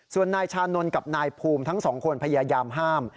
ส่วนนายชานนท์กับนายภูมิทั้งสองคนพยายามห้าม